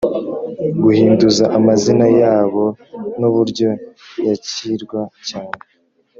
guhinduza amazina yabo n uburyo yakirwa cyane